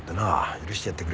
許してやってくれ。